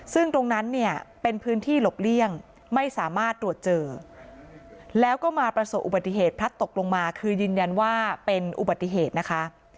ซึ่งตรงนั้นเนี่ยเป็นพื้นที่หลบเลี่ยงไม่สามารถตรวจเจอแล้วก็มาประสบอุบัติเหตุพลัดตกลงมาคือยืนยันว่าเป็นอุบัติเหตุนะคะ